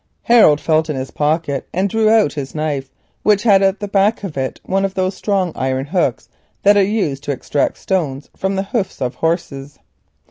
Harold felt in his pocket and drew out his knife, which had at the back of it one of those strong iron hooks that are used to extract stones from the hoofs of horses.